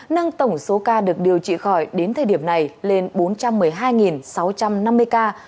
nâng tổng số ca được điều trị khỏi đến thời điểm này lên bốn trăm một mươi hai sáu trăm năm mươi ca